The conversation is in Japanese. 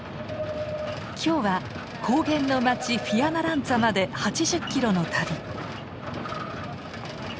今日は高原の街フィアナランツァまで８０キロの旅。